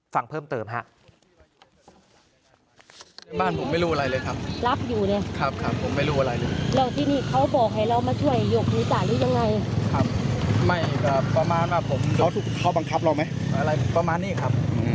ฟังเพิ่มเติมฮะ